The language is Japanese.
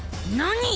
何？